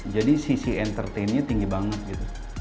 jadi sisi entertainnya tinggi banget gitu